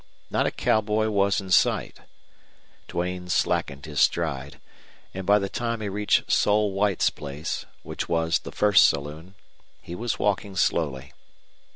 Not a cowboy was in sight. Duane slackened his stride, and by the time he reached Sol White's place, which was the first saloon, he was walking slowly.